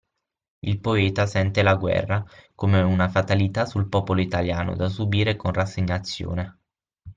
Il poeta sente la guerra come una fatalità sul popolo italiano da subire con rassegnazione.